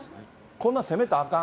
こんな責めたらあかん？